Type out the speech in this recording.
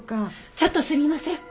ちょっとすみません！